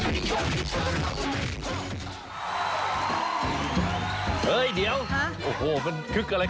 เป็นโชว์ที่ดิฉันตื่นเต้นมาก